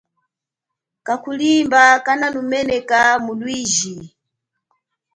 Kakhulimba kananumeya mulwiji.